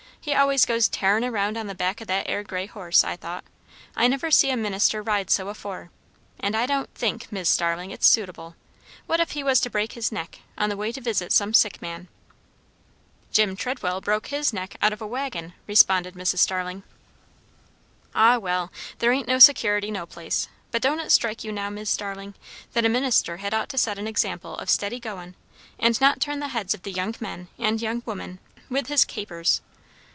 He always goes tearin' round on the back of that 'ere grey horse, I thought. I never see a minister ride so afore; and I don't think, Mis' Starling, it's suitable. What if he was to break his neck, on the way to visit some sick man?" "Jim Treadwell broke his neck out of a waggon," responded Mrs. Starling. "Ah, well! there ain't no security, no place; but don't it strike you, now, Mis' Starling, that a minister had ought to set an example of steady goin', and not turn the heads of the young men, and young women, with his capers?"